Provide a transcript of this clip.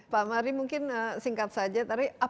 pak mari mungkin singkat saja